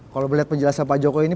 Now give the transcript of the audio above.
kalau melihat penjelasan pak jokowi ini